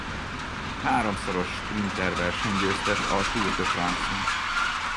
Háromszoros sprinter verseny győztes a Tour de France-on.